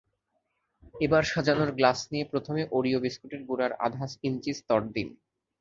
এবার সাজানোর গ্লাস নিয়ে প্রথমে ওরিও বিস্কুটের গুঁড়ার আধা ইঞ্চি স্তর দিন।